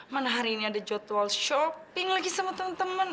mana hari ini ada jadwal shopping lagi sama teman teman